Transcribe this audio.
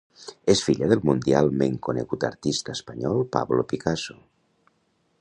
És filla del mundialment conegut artista espanyol Pablo Picasso.